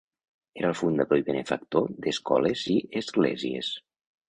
Era el fundador i benefactor d'escoles i esglésies.